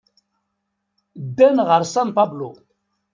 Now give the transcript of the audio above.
Ddan ɣer San Pablo.